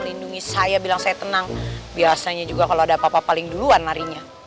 lindungi saya bilang saya tenang biasanya juga kalau ada apa apa paling duluan larinya